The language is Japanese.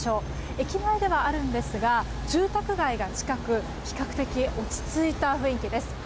駅前ではあるんですが住宅街が近く比較的落ち着いた雰囲気です。